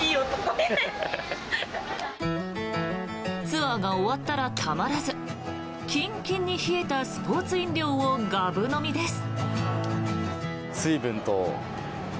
ツアーが終わったらたまらず、キンキンに冷えたスポーツ飲料をがぶ飲みです。